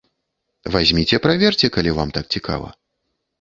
Вазьміце праверце, калі вам так цікава.